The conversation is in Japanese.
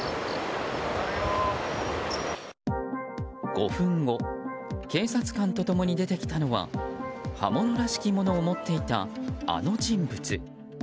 ５分後警察官と共に出てきたのは刃物らしきものを持っていたあの人物。